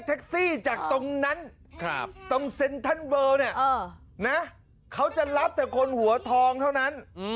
เขาจะรับแต่คนหัวทองเท่านั้น